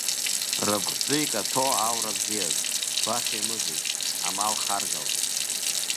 Рыԥхӡы икаҭәо аура бзиаз, баша имыӡит, амал харгалт.